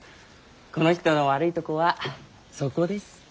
この人の悪いとこはそこです。